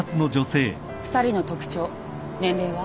２人の特徴年齢は？